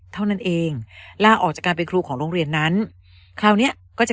เท่านั้นเองลาออกจากการเป็นครูของโรงเรียนนั้นคราวเนี้ยก็จะ